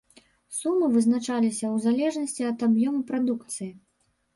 Сумы вызначаліся ў залежнасці ад аб'ёму прадукцыі.